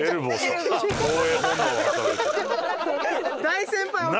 大先輩を。